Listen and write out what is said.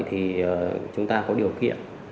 thì chúng ta có điều kiện